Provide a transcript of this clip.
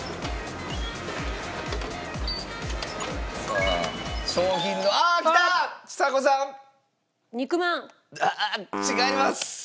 ああっ違います。